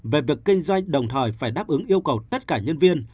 về việc kinh doanh đồng thời phải đáp ứng yêu cầu tất cả nhân viên